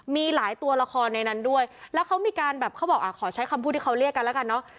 มีหลายตัวละครในนั้นด้วยแล้วเขาบอกขอใช้คำพูดที่เขาเรียกกันแล้วกันเนอะ